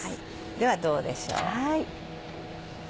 ではどうでしょう。